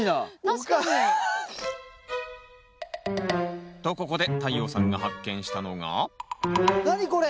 確かに。とここで太陽さんが発見したのが何これ？